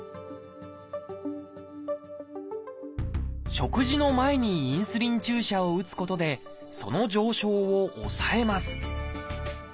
食事の前にインスリン注射を打つことでその上昇を抑えます。